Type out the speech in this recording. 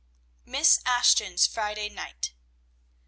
MISS ASHTON'S FRIDAY NIGHT.